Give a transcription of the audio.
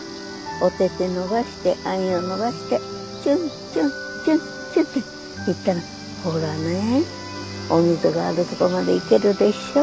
おてて伸ばしてあんよ伸ばしてちゅんちゅんちゅんちゅんって行ったらほらねお水があるとこまで行けるでしょ。